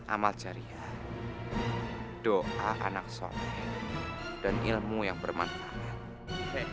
amal jariah doa anak soleh dan ilmu yang bermanfaat